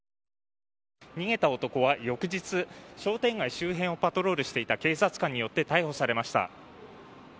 逃げた男は翌日、商店街周辺をパトロールしていた警察官によって逮捕されました。